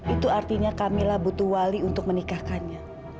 itu artinya kamilah butuh wali untuk menikahkannya